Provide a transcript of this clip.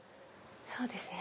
そうですね。